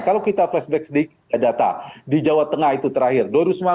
kalau kita flashback sedikit ke data di jawa tengah itu terakhir